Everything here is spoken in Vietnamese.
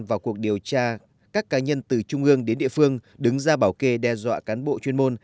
vào cuộc điều tra các cá nhân từ trung ương đến địa phương đứng ra bảo kê đe dọa cán bộ chuyên môn